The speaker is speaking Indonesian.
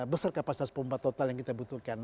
besar kapasitas pompa total yang kita butuhkan